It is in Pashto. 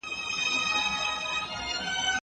هغه په پوره مېړانه مخي ته تللی دی.